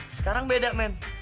sekarang beda men